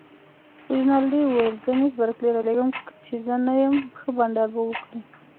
رینالډي وویل: زه مس بارکلي رالېږم، چي زه نه یم، ښه بانډار به وکړئ.